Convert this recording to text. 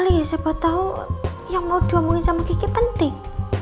siapa tahu yang mau diomongin sama gigi penting